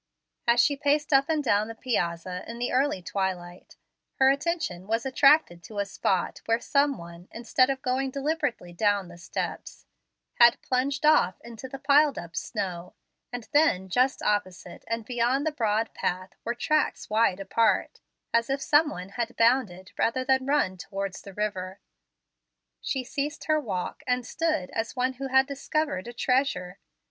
As she paced up and down the piazza, in the early twilight, her attention was attracted to a spot where some one, instead of going deliberately down the steps, had plunged off into the piled up snow, and then just opposite and beyond the broad path were tracks wide apart, as if some one had bounded rather than run towards the river. She ceased her walk, and stood as one who had discovered a treasure.